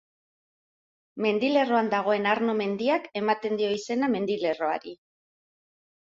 Mendilerroan dagoen Arno mendiak ematen dio izena mendilerroari.